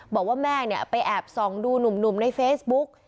บอกว่าแม่ไปแอบส่องดูหนุ่มในเฟซบุ๊ก